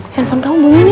handphone kamu belum ini